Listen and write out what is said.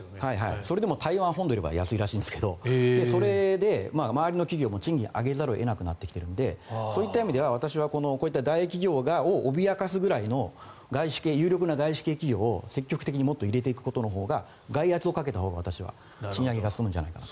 それでも台湾本土よりは安いらしいんですがそれで、周りの企業も賃金を上げざるを得なくなってきているのでそういった意味では私はこういった大企業を脅かすぐらいの有力な外資系企業を積極的にもっと入れていくことのほうが外圧をかけたほうが賃上げが進むんじゃないかと。